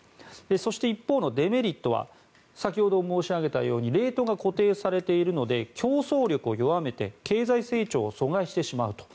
そして、一方のデメリットは先ほど申し上げたようにレートが固定されているので競争力を弱めて経済成長を阻害してしまうと。